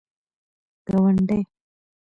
گاونډی